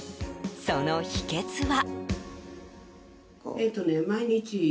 その秘訣は。